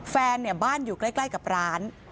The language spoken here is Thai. แฟนบ้านอยู่ใกล้กับร้าน